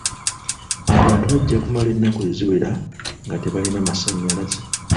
Abantu bajja kumala ennaku eziwera nga tebalina masannyalaze.